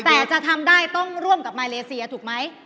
แต่จะทำได้ต้องร่วมกับมาเลเซียถูกไหม